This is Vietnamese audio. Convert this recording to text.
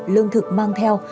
lương thực mang theo